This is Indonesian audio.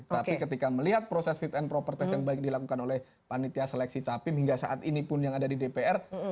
tapi ketika melihat proses fit and proper test yang baik dilakukan oleh panitia seleksi capim hingga saat ini pun yang ada di dpr